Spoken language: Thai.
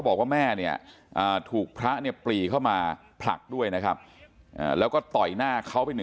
บอกว่าแม่เนี่ยถูกพระเนี่ยปรีเข้ามาผลักด้วยนะครับแล้วก็ต่อยหน้าเขาไปหนึ่ง